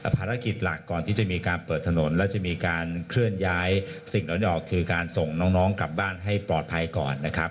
ภารกิจหลักก่อนที่จะมีการเปิดถนนแล้วจะมีการเคลื่อนย้ายสิ่งเหล่านี้ออกคือการส่งน้องกลับบ้านให้ปลอดภัยก่อนนะครับ